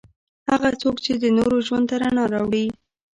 هغه څوک چې د نورو ژوند ته رڼا راوړي.